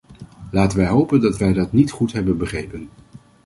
Laten wij hopen dat wij dat niet goed hebben begrepen.